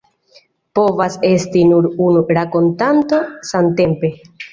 Povas esti nur unu rakontanto samtempe.